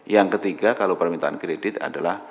yang ketiga kalau permintaan kredit adalah